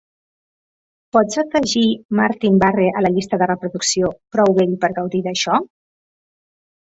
Pots afegir Martin Barre a la llista de reproducció "Prou vell per gaudir d'això"?